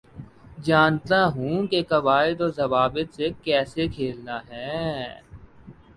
جانتا ہوں کے قوائد و ضوابط سے کیسے کھیلنا ہے